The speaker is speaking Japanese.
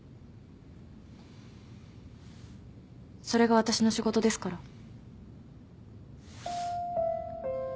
それが私の仕事ですから。